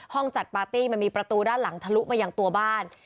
จัดปาร์ตี้มันมีประตูด้านหลังทะลุมายังตัวบ้าน